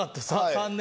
３年？